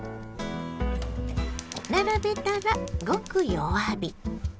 並べたらごく弱火。